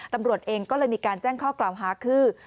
ตำรวจเองก็เลยมีการแจ้งข้อกล่าวหาคือ